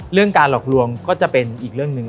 การหลอกลวงก็จะเป็นอีกเรื่องหนึ่ง